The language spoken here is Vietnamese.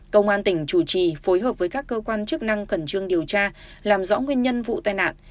công an tỉnh chủ trì phối hợp với các cơ quan chức năng khẩn trương điều tra làm rõ nguyên nhân vụ tai nạn